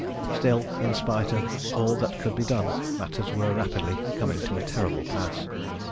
Still, in spite of all that could be done, matters were rapidly coming to a terrible pass.